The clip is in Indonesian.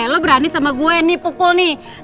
lo berani sama gue nih pukul nih